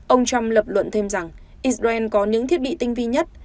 ông trump lập luận thêm rằng israel có những thiết bị tinh vi nhất